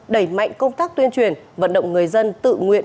đẩy mạnh công tác tuyên truyền vận động người dân tự nguyện